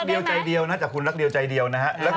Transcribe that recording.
เดียวใจเดียวนะแต่คุณรักเดียวใจเดียวนะฮะ